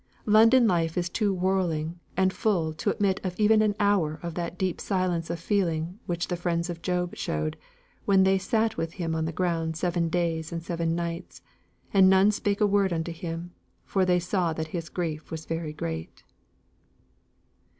London life is too whirling and full to admit of even an hour of that deep silence of feeling which the friends of Job showed, when "they sat with him on the ground seven days and seven nights, and none spake a word unto him; for they saw that his grief was very great."